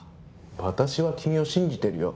私は君を信じてるよ。